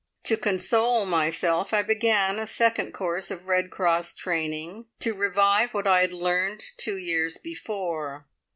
To console myself I began a second course of Red Cross training, to revive what I had learnt two years before.